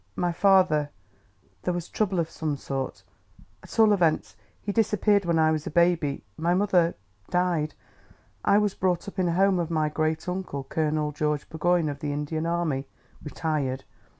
"My father ... There was trouble of some sort.... At all events, he disappeared when I was a baby. My mother ... died. I was brought up in the home of my great uncle, Colonel George Burgoyne, of the Indian Army retired.